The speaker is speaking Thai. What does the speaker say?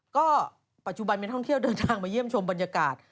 ก็ปัจจุบันมีท่องเที่ยวเดินทางมาเยี่ยมชมบรรยากาศ